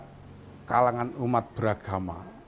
pertama kita harus memiliki kekuatan umat beragama